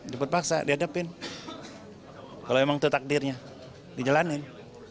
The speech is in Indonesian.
diput paksa dihadapin kalau emang itu takdirnya dijalanin